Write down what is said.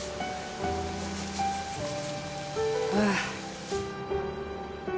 ああ